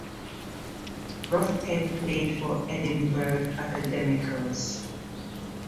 Roughead played for Edinburgh Academicals.